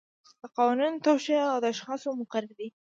د قوانینو توشیح او د اشخاصو مقرري.